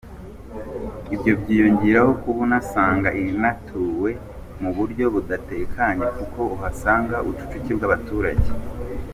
Ibyo byiyongeraho kuba usanga inatuwe mu buryo budatekanye kuko uhasanga ubucucike bw’abaturage.